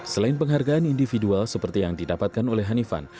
selain penghargaan individual seperti yang didapatkan oleh hanifan